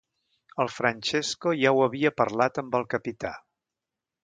El Francesco ja ho havia parlat amb el capità.